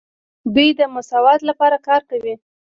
دوی د مساوات لپاره کار کوي.